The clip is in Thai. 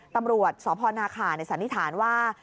ตำรวจสพนาคาสันนิษฐานว่า